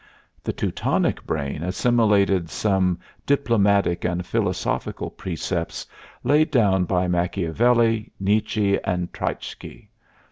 The Teutonic brain assimilated some diplomatic and philosophic precepts laid down by Machiavelli, Nietzsche and Treitschke.